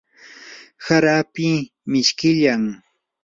hara api mishkillam.